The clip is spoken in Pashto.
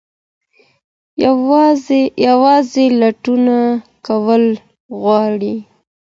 یوازې لټون کول غواړي.